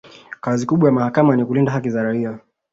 kazi kubwa ya mahakama ni kulinda haki za raia